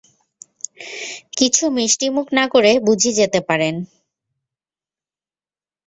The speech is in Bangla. কিছু মিষ্টিমুখ না করে বুঝি যেতে পারেন!